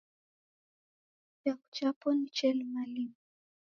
Chaghu chapo niche limalima.